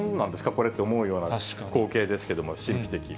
これって思うような光景ですけれども、神秘的。